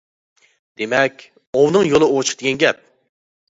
دېمەك، ئوۋنىڭ يولى ئوچۇق دېگەن گەپ!